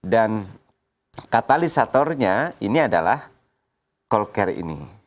dan katalisatornya ini adalah call care ini